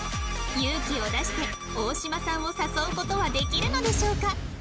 勇気を出して大島さんを誘う事はできるのでしょうか？